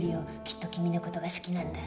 きっと君の事が好きなんだ。